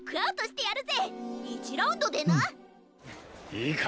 いいか？